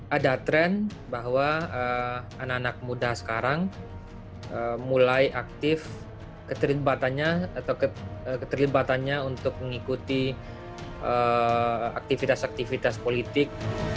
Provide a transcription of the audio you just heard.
ada tren bahwa anak anak muda sekarang mulai aktif keterlibatannya atau keterlibatannya untuk mengikuti aktivitas aktivitas politik